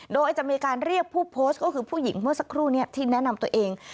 โดยจะมีการเรียกผู้โพสต์ก็คือผู้หญิงเมื่อสักครู่นี้ที่แนะนำตัวเอง